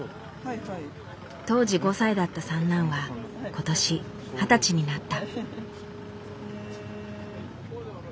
当時５歳だった三男は今年二十歳になった。